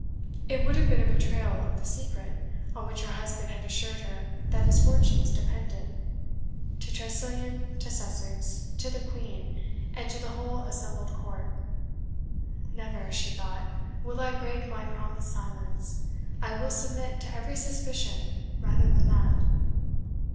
It would have been a betrayal of the secret, on which her husband had assured her that his fortunes depended, to Tressilian, to Sussex, to the Queen, and to the whole assembled court. "Never," she thought, "will I break my promised silence. I will submit to every suspicion rather than that."